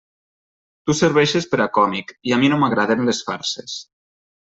Tu serveixes per a còmic, i a mi no m'agraden les farses.